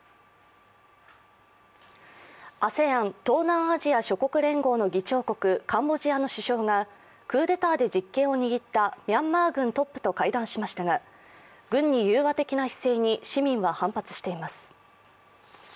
ＡＳＥＡＮ＝東南アジア諸国連合の議長国、カンボジアの首相がクーデターで実権を握ったミャンマー軍トップと会談しましたが軍に融和的な姿勢に市民は反発しています。